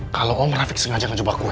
kalau om rafiq sengaja ngejoba gue